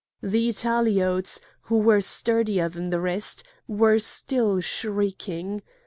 The Italiotes, who were sturdier than the rest, were still shrieking.